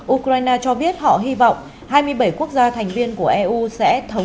ukraine cho biết họ hy vọng hai mươi bảy quốc gia thành viên của eu sẽ thống